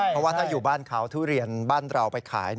เพราะว่าถ้าอยู่บ้านเขาทุเรียนบ้านเราไปขาย